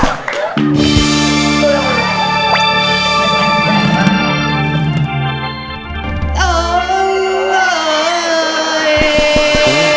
ร้องเตียง